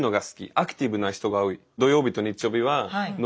アクティブな人が多い。